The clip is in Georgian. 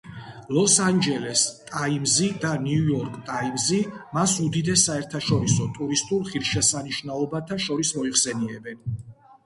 ლოს-ანჯელეს ტაიმზი და ნიუ-იორკ ტაიმზი მას უდიდეს საერთაშორისო ტურისტულ ღირსშესანიშნაობათა შორის მოიხსენიებენ.